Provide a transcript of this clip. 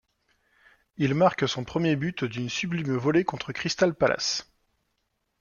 Il marque son premier but d'une sublime volée contre Crystal Palace.